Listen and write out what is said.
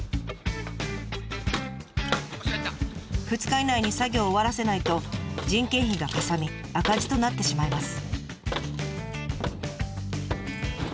２日以内に作業を終わらせないと人件費がかさみ赤字となってしまいます。